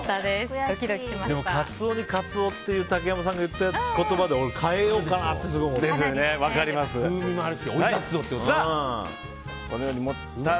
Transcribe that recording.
でも、カツオにカツオって竹山さんが言った言葉で変えようかなってすごい思った。